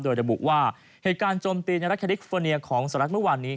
โดยระบุว่าเหตุการณ์โจมตีในรัฐแคลิฟเฟอร์เนียของสหรัฐเมื่อวานนี้